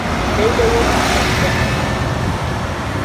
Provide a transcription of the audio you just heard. daidai yake a tsakiyar kirji na